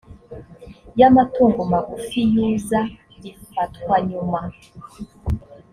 y amatungo magufi yuza gifatwa nyuma